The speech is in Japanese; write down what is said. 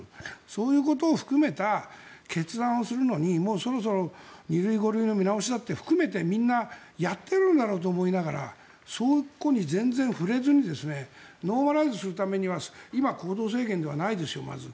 そういうことを含めた決断をするのにそろそろ２類５類の見直しだって含めてみんなやっているだろうと思いながらそこに全然触れずにノーマライズするためには今、行動制限ではないですよ。